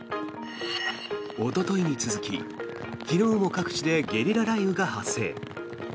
おとといに続き昨日も各地でゲリラ雷雨が発生。